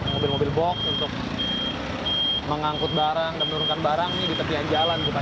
mobil mobil box untuk mengangkut barang dan menurunkan barangnya di tepi jalan bukan